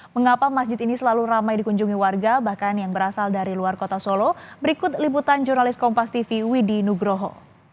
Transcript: mengapa masjid ini selalu ramai dikunjungi warga bahkan yang berasal dari luar kota solo berikut liputan jurnalis kompas tv widi nugroho